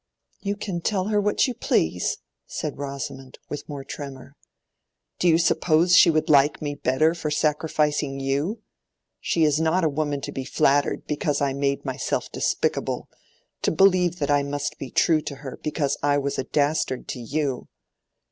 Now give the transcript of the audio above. "You can tell her what you please," said Rosamond with more tremor. "Do you suppose she would like me better for sacrificing you? She is not a woman to be flattered because I made myself despicable—to believe that I must be true to her because I was a dastard to you."